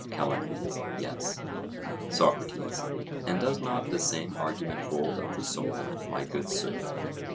CALLICLES: Yes. SOCRATES: And does not the same argument hold of the soul, my good sir?